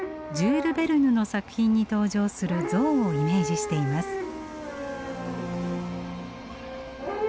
ジュール・ベルヌの作品に登場する象をイメージしています。